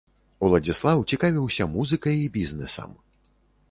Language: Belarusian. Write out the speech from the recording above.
Уладзіслаў цікавіўся музыкай і бізнэсам.